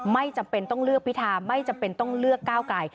ไม่จำเป็นต้องเลือกพิธาไม่จำเป็นต้องเลือกก้าวไกล